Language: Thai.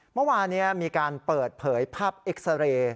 เมื่อวานนี้มีการเปิดเผยภาพเอ็กซาเรย์